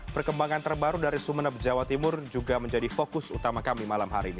perkembangan terbaru dari sumeneb jawa timur juga menjadi fokus utama kami malam hari ini